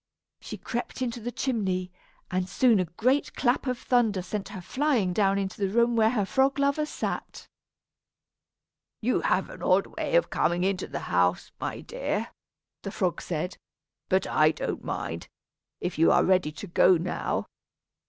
She crept into the chimney, and soon a great clap of thunder sent her flying down into the room where her frog lover sat. "You have an odd way of coming into the house, my dear," the frog said; "but I don't mind, if you are ready to go now.